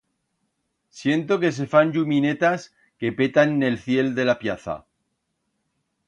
Siento que se fan lluminetas que petan n'el ciel de la pllaza.